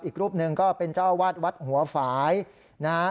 อีกรูปหนึ่งก็เป็นเจ้าอาวาสวัดหัวฝ่ายนะฮะ